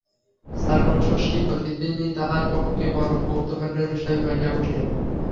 চারুশশী প্রতিদিনই তাহার পক্ষে পরম কৌতুহলের বিষয় হইয়া উঠিল।